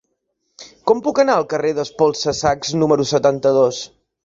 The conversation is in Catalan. Com puc anar al carrer d'Espolsa-sacs número setanta-dos?